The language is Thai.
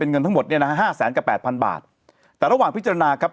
เงินทั้งหมดเนี่ยนะฮะห้าแสนกับแปดพันบาทแต่ระหว่างพิจารณาครับ